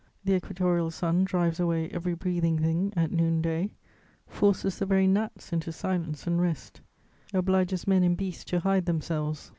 The equatorial sun drives away every breathing thing at noon day, forces the very gnats into silence and rest, obliges men and beasts to hide themselves.